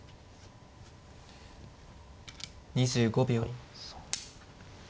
２５秒。